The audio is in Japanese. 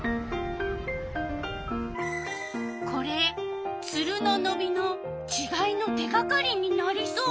これツルののびのちがいの手がかりになりそう？